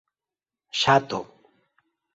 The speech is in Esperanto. ŝato